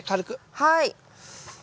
はい。